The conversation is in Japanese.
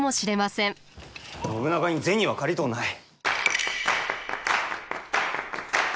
信長に銭は借りとうない。